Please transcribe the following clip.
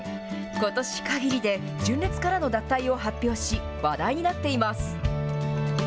ことしかぎりで純烈からの脱退を発表し、話題になっています。